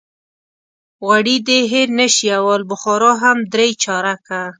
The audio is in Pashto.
غوړي دې هېر نه شي او الوبخارا هم درې چارکه.